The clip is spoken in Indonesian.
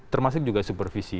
termasuk juga supervisi